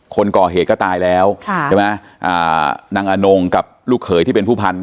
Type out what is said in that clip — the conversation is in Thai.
คนก่อเหตุก็ตายแล้วค่ะใช่ไหมอ่านางอนงกับลูกเขยที่เป็นผู้พันธ